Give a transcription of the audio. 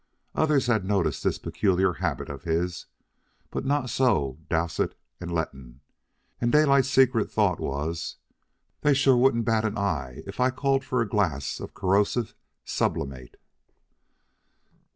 Others had noticed this peculiar habit of his, but not so Dowsett and Letton; and Daylight's secret thought was: "They sure wouldn't bat an eye if I called for a glass of corrosive sublimate."